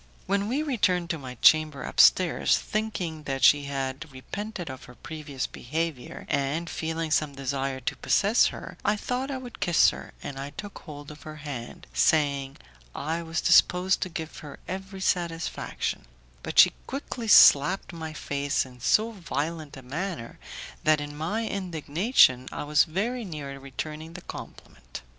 When we returned to my chamber upstairs, thinking that she had repented of her previous behaviour, and feeling some desire to possess her, I thought I would kiss her, and I took hold of her hand, saying I was disposed to give her every satisfaction, but she quickly slapped my face in so violent a manner that, in my indignation, I was very near returning the compliment.